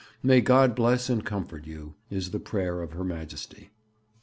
"May God bless and comfort you!" is the prayer of Her Majesty.'